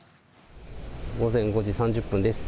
午前５時３０分です。